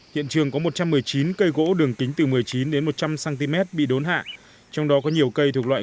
hiện trường có một trăm một mươi chín cây gỗ đường kính từ một mươi chín đến một trăm linh cm bị đốn hạ trong đó có nhiều cây thuộc loại